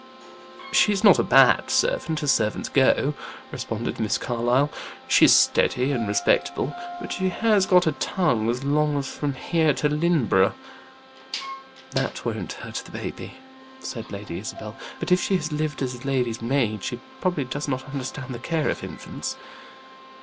"She's not a bad servant, as servants go," responded Miss Carlyle. "She's steady and respectable; but she has got a tongue as long as from here to Lynneborough." "That won't hurt baby," said Lady Isabel. "But if she has lived as lady's maid, she probably does not understand the care of infants."